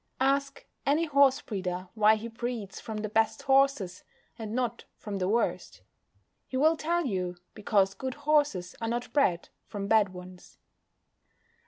Ask any horse breeder why he breeds from the best horses, and not from the worst. He will tell you, because good horses are not bred from bad ones.